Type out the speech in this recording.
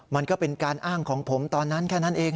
มันก็เป็นการอ้างของผมตอนนั้นแค่นั้นเอง